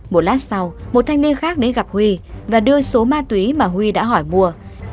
một lát sau một thanh niên khác đến gặp huy và đưa số ma túy mà huy đã hỏi mua